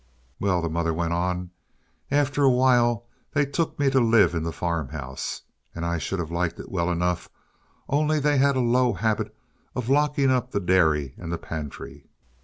"Well," the mother went on, "after a while they took me to live in the farm house. And I should have liked it well enough, only they had a low habit of locking up the dairy and the pantry.